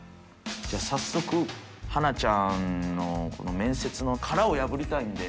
じゃあ、早速、英ちゃんの面接の殻を破りたいんで。